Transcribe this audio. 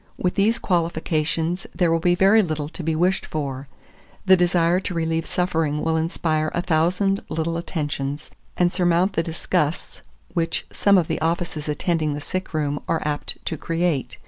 With these qualifications there will be very little to be wished for; the desire to relieve suffering will inspire a thousand little attentions, and surmount the disgusts which some of the offices attending the sick room are apt to create.